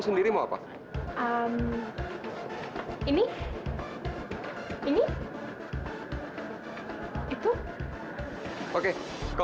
simpen dimana nih bonekanya